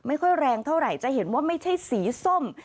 ไม่ค่อยแรงเท่าไหร่จะเห็นว่าไม่ใช่สีส้ม